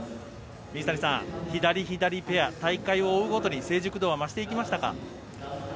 水谷さん、左、左ペア大会を追うごとに成熟度は増していきましたか？